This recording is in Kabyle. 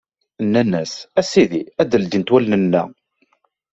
Nnan-as: A Sidi, ad d-ldint wallen-nneɣ!